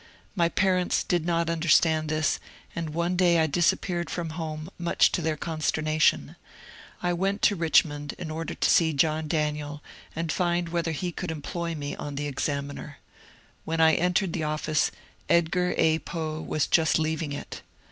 My parents did not understand this, and one day I disap peared from home, much to their consternation. I went to Richmond in order to see John Daniel, and find whether he could employ me on the ^' Examiner." When I entered the office Edgar A. Foe was just leaving it.